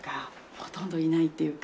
ほとんどいないっていうか